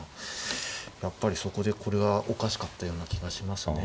やっぱりそこでこれはおかしかったような気がしますね。